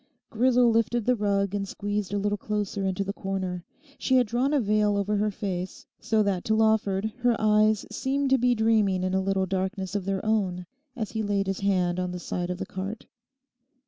Grisel lifted the rug and squeezed a little closer into the corner. She had drawn a veil over her face, so that to Lawford her eyes seemed to be dreaming in a little darkness of their own as he laid his hand on the side of the cart.